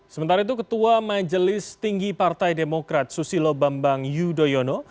sementara itu ketua majelis tinggi partai demokrat susilo bambang yudhoyono